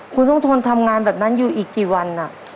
คุณต้องทนทำงานแบบนั้นอยู่อีกกี่วัน